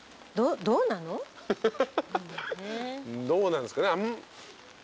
どうなんですかね。